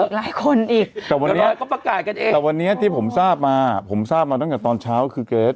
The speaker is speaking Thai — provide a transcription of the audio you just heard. หลายคนอีกแต่วันแรกก็ประกาศกันเองแต่วันนี้ที่ผมทราบมาผมทราบมาตั้งแต่ตอนเช้าคือเกรท